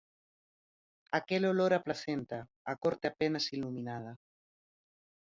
Aquel olor a placenta, a corte apenas iluminada.